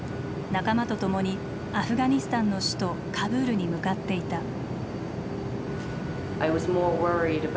仲間と共にアフガニスタンの首都カブールに向かっていた。